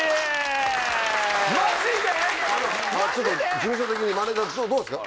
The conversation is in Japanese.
事務所的にマネジャーどうですか？